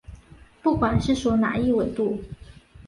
不管是属哪一纬度。